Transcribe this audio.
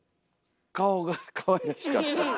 顔がかわいらしかった。